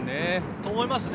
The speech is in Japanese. そう思いますね。